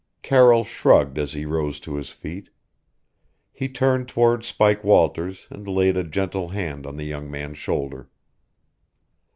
Carroll shrugged as he rose to his feet. He turned toward Spike Walters and laid a gentle hand on the young man's shoulder.